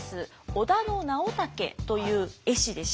小田野直武という絵師でした。